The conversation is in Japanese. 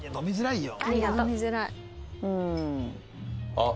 あっ！